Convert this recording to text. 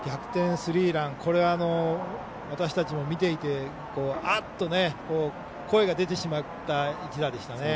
スリーランこれは私たちも見ていてあっと声が出てしまった一打でした。